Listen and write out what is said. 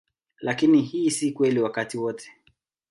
Lakini hii si kweli wakati wote.